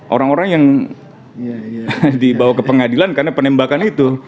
orang orang yang dibawa ke pengadilan karena penembakan itu